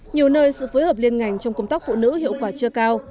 nhiều nơi sự phối hợp liên ngành trong công tác phụ nữ hiệu quả chưa cao